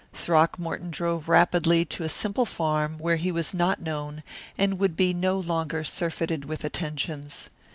Throckmorton drove rapidly to a simple farm where he was not known and would be no longer surfeited with attentions.